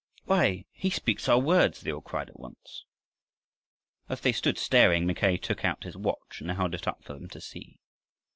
"Why, he speaks our words!" they all cried at once. As they stood staring, Mackay took out his watch and held it up for them to see.